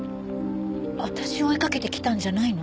私を追いかけてきたんじゃないの？